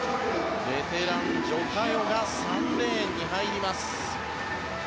ベテラン、ジョ・カヨが３レーンに入ります。